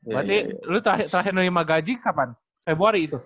berarti lu terakhir nerima gaji kapan februari itu